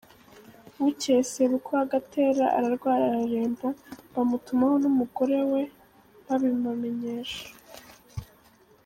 Bukeye sebukwe wa Gatera ararwara araremba, bamutumaho n’umugore we babibamenyesha.